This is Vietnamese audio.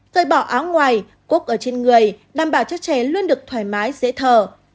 rời bỏ áo ngoài cốt ở trên người đảm bảo cho trẻ luôn được thoải mái dễ thở